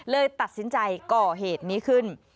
เลยตัดสินใจก่อเหตุนี้ขึ้น